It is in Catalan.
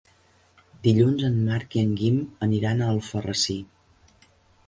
Dilluns en Marc i en Guim aniran a Alfarrasí.